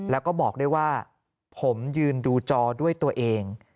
แล้วก็บอกด้วยว่าผมยืนดูจอด้วยตัวเอง